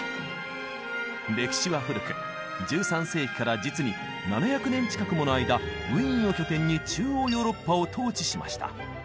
歴史は古く１３世紀から実に７００年近くもの間ウィーンを拠点に中央ヨーロッパを統治しました。